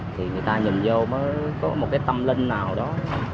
thì người ta nhìn vô có một cái tâm linh nào đó